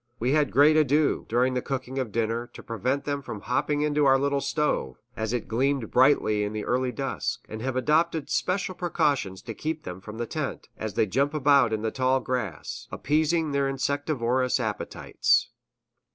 We had great ado, during the cooking of dinner, to prevent them from hopping into our little stove, as it gleamed brightly in the early dusk; and have adopted special precautions to keep them from the tent, as they jump about in the tall grass, appeasing their insectivorous appetites.